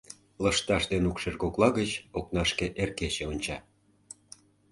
Лышташ ден укшер кокла гыч окнашке эр кече онча.